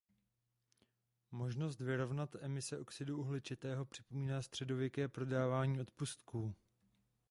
Možnost vyrovnat emise oxidu uhličitého připomíná středověké prodávání odpustků.